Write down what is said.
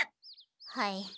はい。